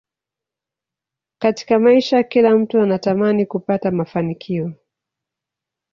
Katika maisha kila mtu anatamani kupata mafanikio